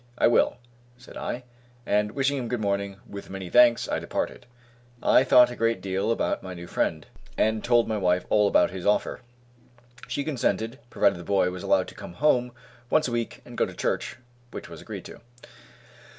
"I will," said I, and wishing him good morning, with many thanks, I departed. I thought a great deal about my new friend, and told my wife all about his offer. She consented, provided the boy was allowed to come home once a week and go to church, which was agreed to.